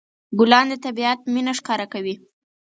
ګلان د طبيعت مینه ښکاره کوي.